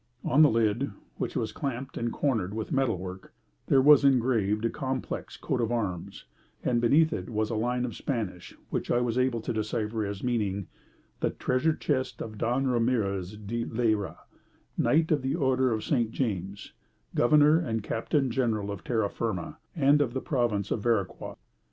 On the lid, which was clamped and cornered with metal work, there was engraved a complex coat of arms, and beneath it was a line of Spanish which I was able to decipher as meaning, "The treasure chest of Don Ramirez di Leyra, Knight of the Order of Saint James, Governor and Captain General of Terra Firma and of the Province of Veraquas."